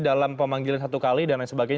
jadi dalam pemanggilan satu kali dan lain sebagainya